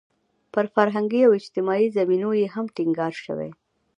پر فرهنګي او اجتماعي زمینو یې هم ټینګار شوی.